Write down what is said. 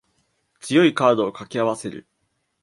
強いカードを掛け合わせる